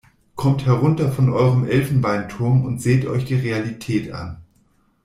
Kommt herunter von eurem Elfenbeinturm und seht euch die Realität an!